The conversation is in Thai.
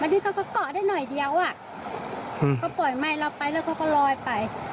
เมื่อกี้เค้าก็เกาะได้หน่อยเดี๋ยวอ่ะเค้าปล่อยไม้เราไปแล้วเค้าก็ลอยไป